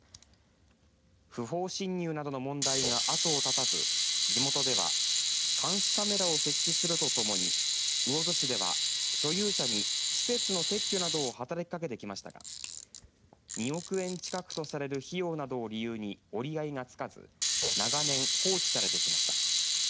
不法侵入などの問題があとを絶たず地元では監視カメラを設置するとともに魚津市では所有者に施設の撤去などを働きかけてきましたが２億円近くとされる費用などを理由に折り合いがつかず長年放置されてきました。